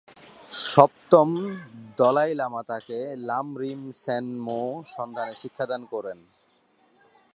সপ্তম দলাই লামা তাকে লাম-রিম-ছেন-মো সম্বন্ধে শিক্ষাদান করেন।